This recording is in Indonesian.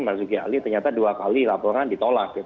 mas zuki ali ternyata dua kali laporan ditolak gitu